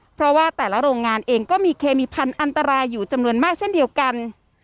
เพราะว่าแต่ละโรงงานเองก็มีเคมีพันธุ์อันตรายอยู่จำนวนมากเช่นเดียวกัน